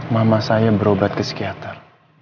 mama saya berobat ke psikiater